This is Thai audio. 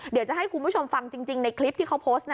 เดี๋ยวจะให้คุณผู้ชมฟังจริงในคลิปที่เขาโพสต์นะ